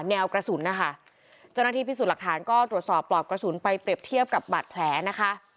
แนวกระสุนนะคะเจ้าหน้าที่พิสูจน์หลักฐานก็ตรวจสอบปลอกกระสุนไปเปรียบเทียบกับบาดแผลนะคะ